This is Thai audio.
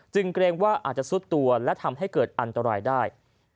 เกรงว่าอาจจะซุดตัวและทำให้เกิดอันตรายได้